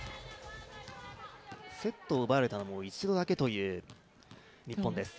セットを奪われたのも１度だけという日本です。